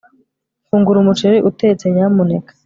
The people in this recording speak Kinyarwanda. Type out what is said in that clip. Fungura umuceri utetse nyamuneka